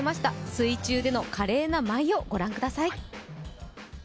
水中での華麗な舞をご覧ください。